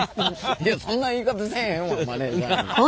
いやそんな言い方せえへんわマネージャーに！